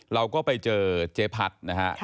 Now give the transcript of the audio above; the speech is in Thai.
เราก็ไปเจอเจพัฒน์นะครับ